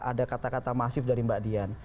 ada kata kata masif dari mbak dian